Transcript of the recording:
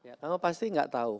ya kamu pasti nggak tahu